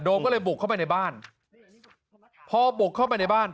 ก็เลยบุกเข้าไปในบ้านพอบุกเข้าไปในบ้าน